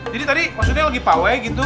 jadi tadi maksudnya lagi pawey gitu